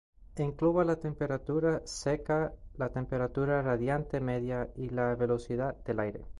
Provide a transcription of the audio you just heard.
Engloba la temperatura seca, la temperatura radiante media y la velocidad del aire.